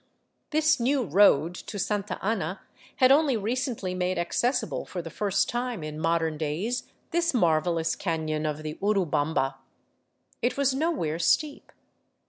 This new road to Santa Ana had only recently made accessible for the first time in modern days this marvelous cafion of the Urubamba. It was nowhere steep.